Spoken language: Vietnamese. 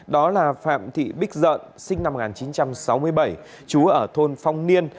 đó là phạm thị bích dợn sinh năm một nghìn chín trăm sáu mươi bảy chú ở thôn phong niên